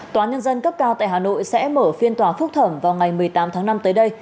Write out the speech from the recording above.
tòa nhân dân cấp cao tại hà nội sẽ mở phiên tòa phúc thẩm vào ngày một mươi tám tháng năm tới đây